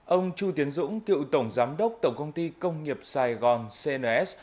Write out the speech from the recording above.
ông chu tiến dũng cựu tổng giám đốc tổng công ty công nghiệp sài gòn cns